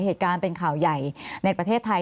มีความรู้สึกว่ามีความรู้สึกว่า